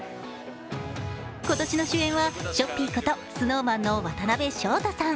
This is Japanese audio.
今年の主演は、しょっぴーことＳｎｏｗＭａｎの渡辺翔太さん。